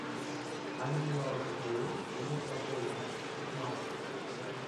Άλλη μια ώρα το πρωί και μια το απόγεμα, μάθημα.